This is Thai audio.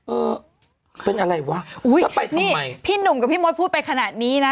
เออเป็นอะไรวะอุ้ยถ้าไปที่พี่หนุ่มกับพี่มดพูดไปขนาดนี้นะ